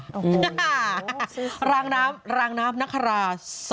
โอ้โหโอ้โหรางน้ำรางน้ำนครา๒๕๖๒